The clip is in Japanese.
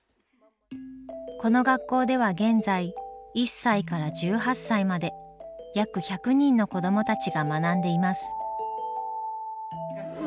この学校では現在１歳から１８歳まで約１００人の子どもたちが学んでいます。